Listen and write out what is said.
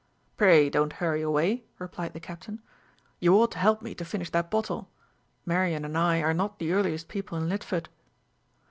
"Pray, don't hurry away," replied the Captain. "You ought to help me to finish that bottle. Marian and I are not the earliest people in Lidford."